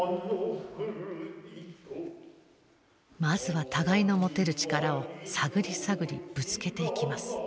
まずは互いの持てる力を探り探りぶつけていきます。